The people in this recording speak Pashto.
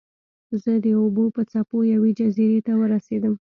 زه د اوبو په څپو یوې جزیرې ته ورسیدم.